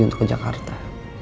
untuk ke jakarta